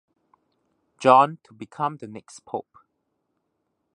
John to become the next pope.